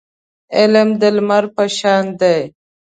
علم د لمر په شان دی.